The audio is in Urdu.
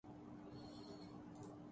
ایک بڑی حقیقت یہ ہے